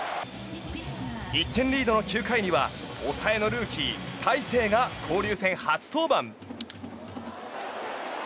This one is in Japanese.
１点リードの９回には抑えのルーキー大勢が交流戦初登板。